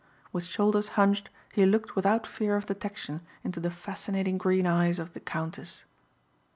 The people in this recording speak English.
With shoulders hunched he looked without fear of detection into the fascinating green eyes of "The Countess."